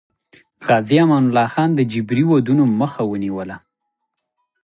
غازي امان الله خان د جبري ودونو مخه ونیوله.